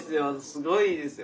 すごいですよ。